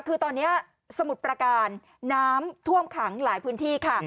คือตอนนี้สมุทรประการน้ำท่วมขังหลายพื้นที่ค่ะ